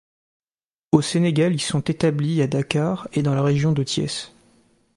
Au Sénégal, ils sont établis à Dakar et dans la région de Thiès.